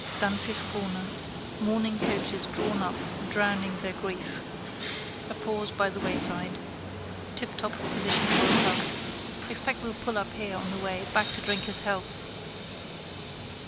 Dunphy's corner. Mourning coaches drawn up, drowning their grief. A pause by the wayside. Tiptop position for a pub. Expect we'll pull up here on the way back to drink his health.